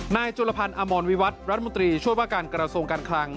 จุลพันธ์อมรวิวัตรรัฐมนตรีช่วยว่าการกระทรวงการคลัง